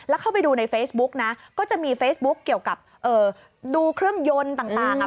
แล้วเข้าไปดูในเฟซบุ๊กนะก็จะมีเฟซบุ๊กเกี่ยวกับเอ่อดูเครื่องยนต์ต่างอ่ะ